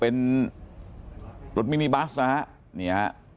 เป็นรถมินิบัสนะฮะ